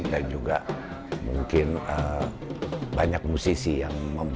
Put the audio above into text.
dan juga mungkin banyak musisi yang membantu